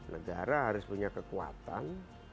negara harus punya kekuatan